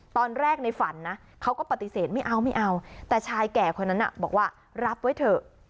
ตอนแรกในฝันนะเขาก็ปฏิเสธไม่เอาไม่เอาแต่ชายแก่คนนั้นบอกว่ารับไว้เถอะ